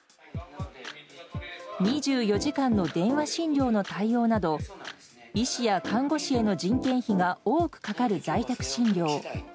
２４時間の電話診療の対応など、医師や看護師への人件費が多くかかる在宅診療。